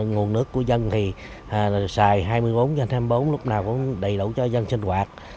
nguồn nước của dân thì sài hai mươi bốn hai mươi bốn lúc nào cũng đầy đủ cho dân sinh hoạt